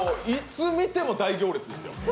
いつ見ても大行列ですよ